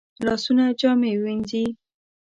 لاسونه جامې وینځي